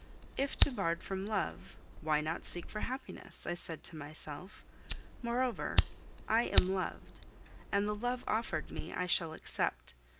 "If debarred from love, why not seek for happiness?" I said to myself. "Moreover, I am loved, and the love offered me I shall accept.